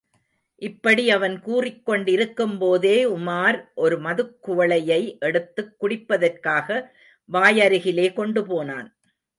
இப்படி அவன் கூறிக் கொண்டிருக்கும்போதே உமார் ஒரு மதுக்குவளையை எடுத்துக் குடிப்பதற்காக வாய் அருகிலே கொண்டு போனான்.